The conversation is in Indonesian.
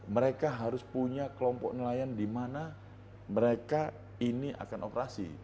mereka harus punya kelompok nelayan di mana mereka ini akan operasi